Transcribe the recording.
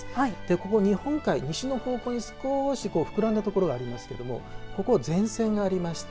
ここ日本海、西の方向に少し膨らんだところがありますけどもここ前線がありまして